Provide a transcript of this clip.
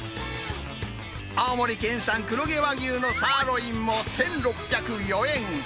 青森県産黒毛和牛のサーロインも１６０４円。